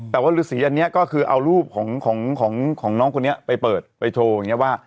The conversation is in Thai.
แต่ว่าฤษีอันนี้ก็คือเอารูปของของของของน้องคนนี้ไปเปิดไปโทรอย่างเงี้ยว่า